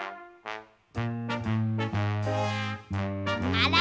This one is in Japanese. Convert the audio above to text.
あら？